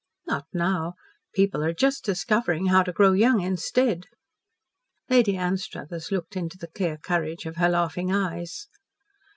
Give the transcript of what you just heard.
"Not now! People are just discovering how to grow young instead." Lady Anstruthers looked into the clear courage of her laughing eyes.